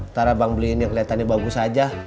ntar bang beliin yang kelihatannya bagus aja